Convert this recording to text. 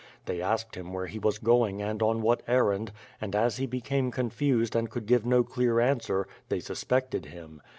They asked him where he was going and on what errand, and as he became confused and could give no clear answer, they suspected him.